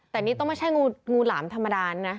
แต่นี่ต้องไม่ใช่งูหลามธรรมดานะ